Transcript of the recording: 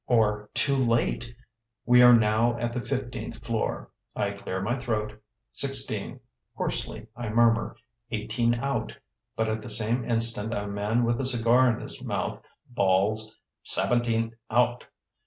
Or too late! We are now at the fifteenth floor. I clear my throat. Sixteen! Hoarsely I murmur, "Eighteen out." But at the same instant a man with a cigar in his mouth bawls, "Seventeen out!"